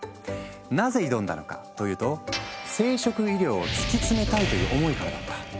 なぜ挑んだのかというと生殖医療をつきつめたいという思いからだった。